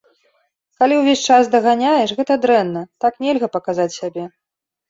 Калі ўвесь час даганяеш, гэта дрэнна, так нельга паказаць сябе.